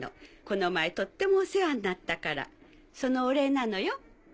この前とってもお世話になったからそのお礼なのよ。